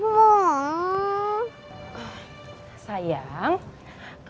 kamu jangan sedih gitu dong mukanya